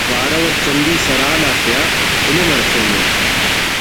بارو اٹ چندی سرحال آتیا قلم ہرفینے